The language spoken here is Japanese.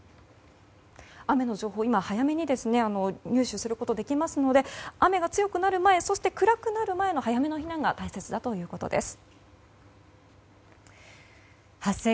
雨の情報は早めに入手することができますので雨が強くなる前そして、暗くなる前の早めの避難が大切だということです。